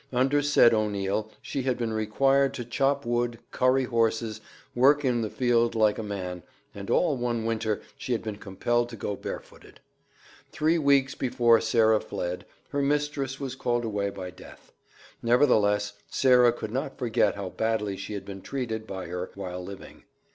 Under said O'Neil she had been required to chop wood, curry horses, work in the field like a man, and all one winter she had been compelled to go barefooted. Three weeks before Sarah fled, her mistress was called away by death; nevertheless Sarah could not forget how badly she had been treated by her while living.